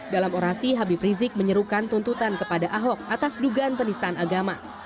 dalam orasi habib rizik menyerukan tuntutan kepada ahok atas dugaan penistaan agama